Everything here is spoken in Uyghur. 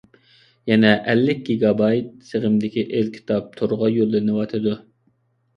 يەنە ئەللىك گىگابايت سىغىمدىكى ئېلكىتاب تورغا يوللىنىۋاتىدۇ.